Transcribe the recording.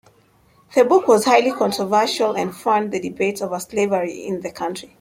The book was highly controversial and fanned the debate over slavery in the country.